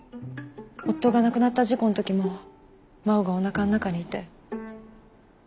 夫が亡くなった事故の時も真央がおなかの中にいて。